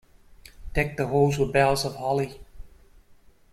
Deck the halls with boughs of holly.